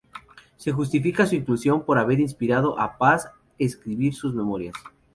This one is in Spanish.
Se justifica su inclusión por haber inspirado a Paz escribir sus memorias.